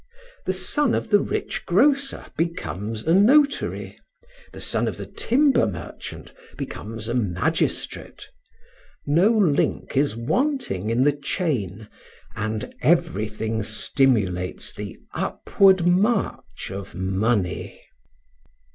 The son of the rich grocer becomes a notary, the son of the timber merchant becomes a magistrate. No link is wanting in the chain, and everything stimulates the upward march of money.